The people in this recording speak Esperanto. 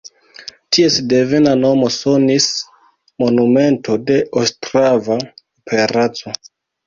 Ties devena nomo sonis Monumento de Ostrava operaco.